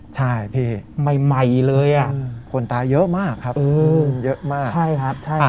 ใช่พี่ใหม่เลยอ่ะคนตายเยอะมากครับเยอะมากใช่ครับใช่